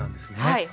はい。